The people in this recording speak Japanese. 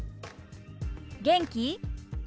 「元気？」。